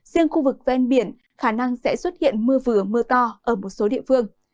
riêng khu vực ven biển khả năng sẽ xuất hiện mưa vừa mưa to ở một số địa phương